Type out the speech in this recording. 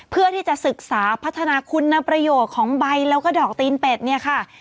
เพื่อที่จะศึกษาพัฒนาคุณประโยชน์ของใบแล้วก็ดอกตีนเป็ดเนี่ยค่ะ